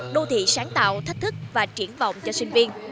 đô thị sáng tạo thách thức và triển vọng cho sinh viên